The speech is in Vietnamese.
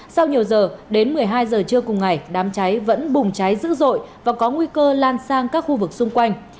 sau nhiều giờ đến một mươi hai giờ trưa cùng ngày đám cháy vẫn bùng cháy dữ dội và có nguy cơ lan sang các khu vực xung quanh